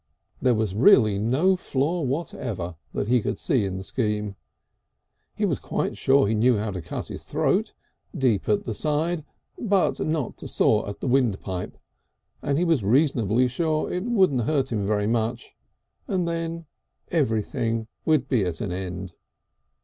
There was really no flaw whatever that he could see in the scheme. He was quite sure he knew how to cut his throat, deep at the side and not to saw at the windpipe, and he was reasonably sure it wouldn't hurt him very much. And then everything would be at an end.